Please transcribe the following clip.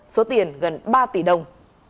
số tiền gần ba tỷ đồng